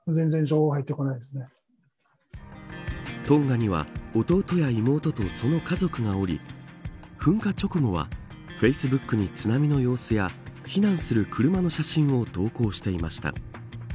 トンガには弟や妹と、その家族がおり噴火直後は、フェイスブックに津波の様子や、避難する車の写真を投稿していました。